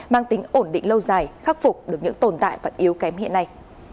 mang tính ổn định lâu dài khắc phục được những tồn tại và yếu kém hiện nay